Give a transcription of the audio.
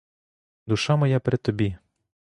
Душа моя при тобі.